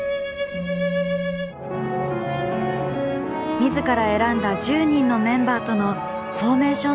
みずから選んだ１０人のメンバーとのフォーメーション